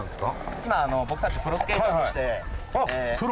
今僕たちプロスケーターとしてプロ？